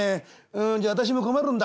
じゃああたしも困るんだ。